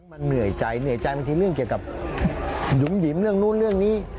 มันเหนื่อยใจเหนื่อยใจบางทีเรื่องเกี่ยวกับหยุ่มหยิมเรื่องนู้นเรื่องนี้